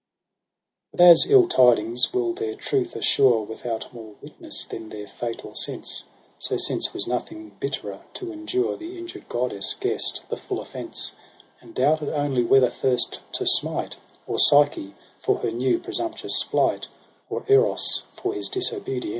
But as ill tidings will their truth assure Without more witness than their fatal sense. So, since was nothing bitterer to endure. The injured goddess guess'd the full offence : And doubted only whether first to smite Or Psyche for her new presumptuous flight, Or Eros for his disobedience.